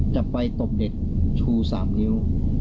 จะไปตบเด็กชู๓นิ้ว